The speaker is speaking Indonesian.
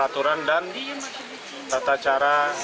ketika dianggap terlalu banyak